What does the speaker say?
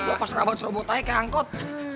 apa serabut robot aja kayak angkot